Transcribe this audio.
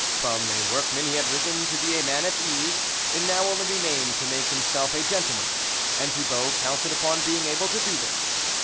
From a work man he had risen to be a man at ease, it now only remained to make himself a gentleman, and Thibault counted upon being able to do this.